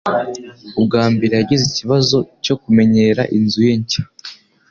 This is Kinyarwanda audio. Ubwa mbere yagize ikibazo cyo kumenyera inzu ye nshya.